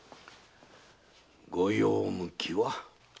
ご用向きは？